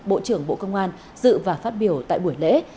bộ trưởng bộ công an dự và phát biểu tại buổi lễ